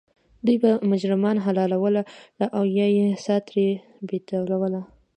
دوی به مجرمان حلالول او یا یې سا ترې بیټوله.